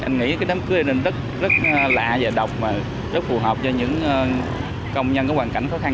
em nghĩ cái đám cưới này rất lạ và độc mà rất phù hợp cho những công nhân có hoàn cảnh khó khăn